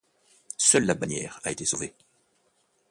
Seule la bannière a été sauvée.